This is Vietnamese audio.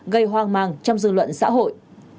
gây hoang mang trong dư luận xã hội